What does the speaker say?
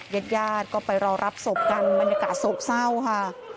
ญาติญาติก็ไปรอรับศพกันบรรยากาศโศกเศร้าค่ะ